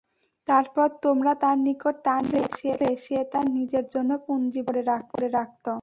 তারপর তোমরা তার নিকট তা নিয়ে আসলে সে তা নিজের জন্য পুঞ্জিভূত করে রাখত।